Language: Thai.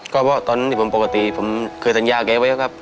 ก็เพราะตอนนี้ผมปกติผมเคยสัญญาแกไว้ครับ